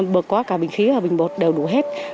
bữa qua cả bình khí và bình bột đều đủ hết